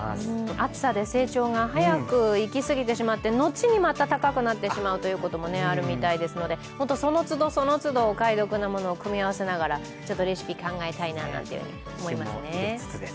暑さで成長が早くいきすぎてしまって後にまた高くなってしまうということもあるそうなのでその都度、その都度、お買い得なものを組み合わせながらレシピ考えたいところですね